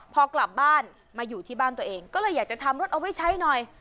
พอกลับบ้านมาอยู่ที่บ้านตัวเองก็เลยอยากจะทำรถเอาไว้ใช้หน่อย